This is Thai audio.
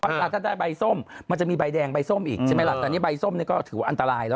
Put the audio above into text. เวลาถ้าได้ใบส้มมันจะมีใบแดงใบส้มอีกใช่ไหมล่ะแต่นี่ใบส้มนี่ก็ถือว่าอันตรายแล้ว